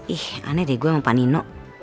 ih aneh deh gue sama pak nino